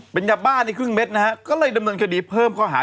เป็นยาบ้าในครึ่งเม็ดนะฮะก็เลยดำเนินคดีเพิ่มข้อหา